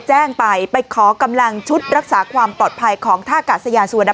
แจ้งไปไปขอกำลังชุดรักษาความปลอดภัยของท่ากาศยานสุวรรณ